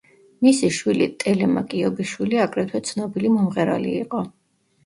მისი შვილი ტელემაკ იობიშვილი აგრეთვე ცნობილი მომღერალი იყო.